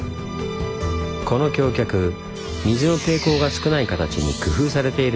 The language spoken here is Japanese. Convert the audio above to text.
この橋脚水の抵抗が少ない形に工夫されているんです。